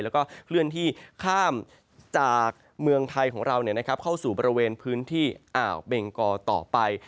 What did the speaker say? แล้วก็เคลื่อนที่ข้ามจากเมืองไทยของเราเข้าสู่บริเวณพื้นที่อ่าวเบงกอต่อไป